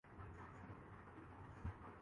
اس وقت یہ پاکستان میں سیاحت کے لیئے موجود تھیں۔